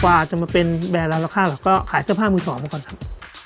กว่าจะมาเป็นแบรนดราคาเราก็ขายเสื้อผ้ามือสองมาก่อนครับ